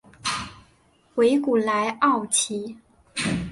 维古莱奥齐。